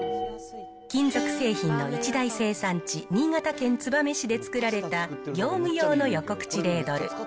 金属製品の一大生産地、新潟県燕市で作られた業務用の横口レードル。